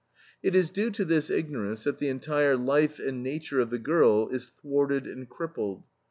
It is due to this ignorance that the entire life and nature of the girl is thwarted and crippled.